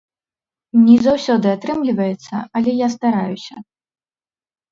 Не заўсёды атрымліваецца, але я стараюся.